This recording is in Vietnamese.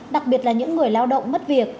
đặc biệt là những người lao động mất việc